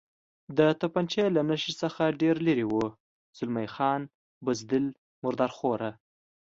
د تفنګچې له نښې څخه ډېر لرې و، زلمی خان: بزدل، مرادرخواره.